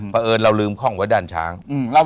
เพราะเอิญเรารืมข้องไว้ดันช้าง